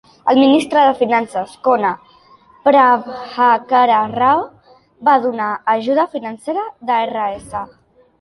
El ministre de Finances Kona Prabhakara Rao va donar ajuda financera de Rs.